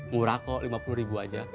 murah kok rp lima puluh aja